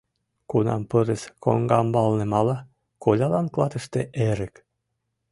Кунам пырыс коҥгамбалне мала — колялан клатыште эрык!